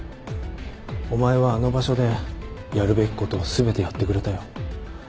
お前はあの場所でやるべきことを全てやってくれたよ。